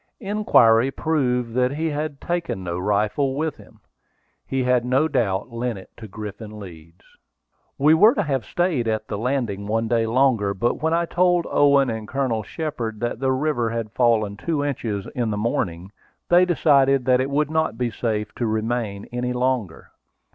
Inquiry proved that he had taken no rifle with him. He had no doubt lent it to Griffin Leeds. We were to have stayed at this landing one day longer, but when I told Owen and Colonel Shepard that the river had fallen two inches in the morning, they decided that it would not be safe to remain any longer.